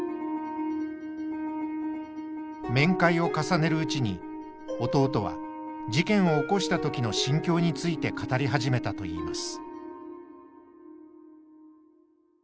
面会を重ねるうちに弟は事件を起こした時の心境について語り始めたといいます。